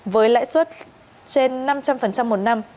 với lãi suất trên năm trăm linh một năm